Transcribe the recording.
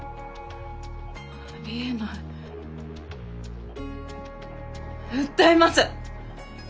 あり得ない訴えます！